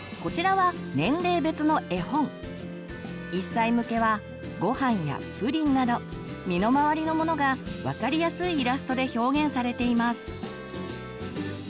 １歳向けは「ごはん」や「プリン」など身の回りのものが分かりやすいイラストで表現されています。